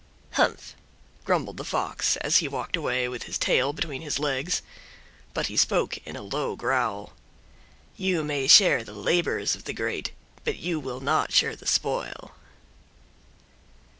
"Humph!" grumbled the Fox as he walked away with his tail between his legs; but he spoke in a low growl— "YOU MAY SHARE THE LABORS OF THE GREAT, BUT YOU WILL NOT SHARE THE SPOIL."